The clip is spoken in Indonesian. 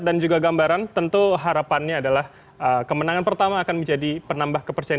dan juga gambaran tentu harapannya adalah kemenangan pertama akan menjadi penambah kepercayaan